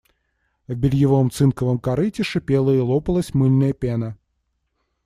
В бельевом цинковом корыте шипела и лопалась мыльная пена.